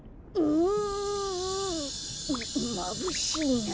うっまぶしいな。